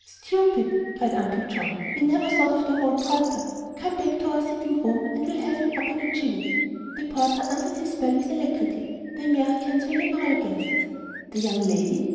"Stupid!" cried Uncle John. "We never thought of the hall porter. Come back to our sitting room, and we'll have him up in a jiffy." The portiere answered his bell with alacrity. The Americans were liberal guests. The young lady?